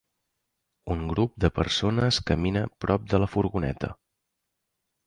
Un grup de persones camina prop de la furgoneta.